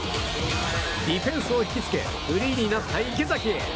ディフェンスを引きつけフリーになった池崎へ。